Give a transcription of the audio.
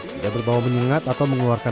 tidak berbau menyengat atau mengeluarkan